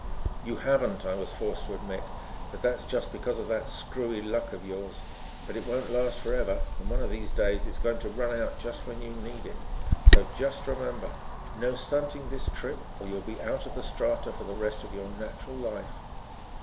"You haven't," I was forced to admit, "but that's just because of that screwy luck of yours. But it won't last forever and one of these days it's going to run out just when you need it. So just remember no stunting this trip or you'll be out of the strata for the rest of your natural life."